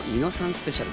スペシャル。